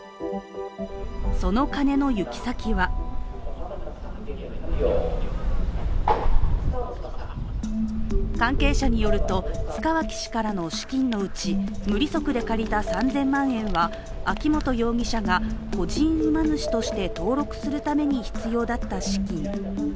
その金の行き先は関係者によると塚脇氏からの資金のうち無利息で借りた３０００万円は秋本容疑者が個人馬主として登録するために必要だった資金。